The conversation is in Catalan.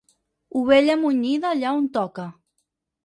Ovella munyida allà on toca.